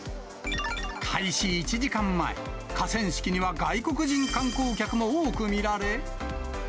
開始１時間前、河川敷には外国人観光客も多く見られ。